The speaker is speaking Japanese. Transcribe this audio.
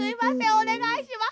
おねがいします。